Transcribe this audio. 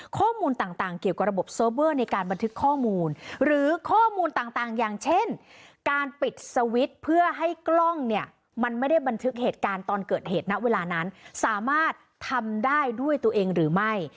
ข้อมูลต่างเกี่ยวกับระบบเซิร์ฟเวอร์ในการบันทึกข้อมูลหรือข้อมูลต่างอย่างเช่นการปิดสวิตช์เพื่อให้กล้องเนี่ยมันไม่ได้บันทึกเหตุการณ์ตอนเกิดเหตุณเวลานั้นสามารถทำได้ด้วยตัวเองหรือไม่